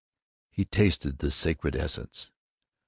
He tasted the sacred essence.